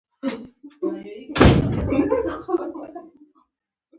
ما تاسو ته یو ډېر ښه خبر راوړی دی